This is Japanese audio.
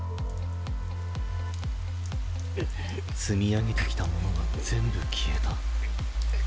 積み上げてきたものが全部消えた。